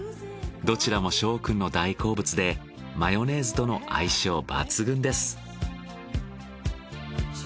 どちらも翔くんの大好物でマヨネーズとの相性抜群です。